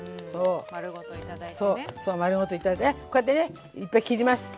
そう丸ごと頂いてこうやってねいっぱい切ります。